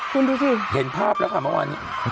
คุณดูสิเห็นภาพแล้วค่ะเมื่อวานนี้